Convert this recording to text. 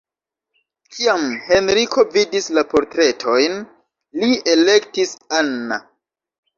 Kiam Henriko vidis la portretojn, li elektis Anna.